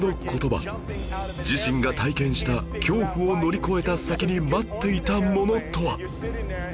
自身が体験した恐怖を乗り越えた先に待っていたものとは